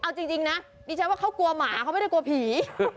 เอาจริงนะดิฉันว่าเขากลัวหมาเขาไม่ได้กลัวผี